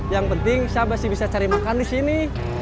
yang penting saya masih bisa cari makan disini